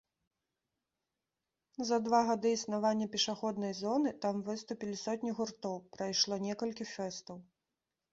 За два гады існавання пешаходнай зоны там выступілі сотні гуртоў, прайшло некалькі фэстаў.